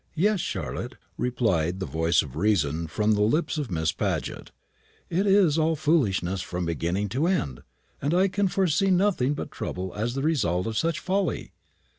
"Yes, Charlotte," replied the voice of reason from the lips of Miss Paget; "it is all foolishness from beginning to end, and I can foresee nothing but trouble as the result of such folly.